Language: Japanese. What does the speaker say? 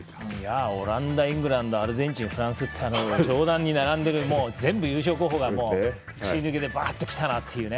オランダ、イングランドアルゼンチンフランスって上段に並んでいる全部、優勝候補が１位抜けで来たなという。